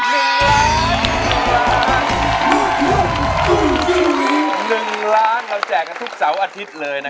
๑ล้านเราแจกทุกเสาร์อาทิตย์เลยนะครับ